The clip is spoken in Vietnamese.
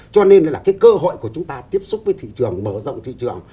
cho nên là cái cơ hội của chúng ta tiếp xúc với thị trường mở rộng thị trường